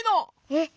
えっ？